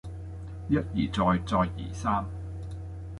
一而再再而三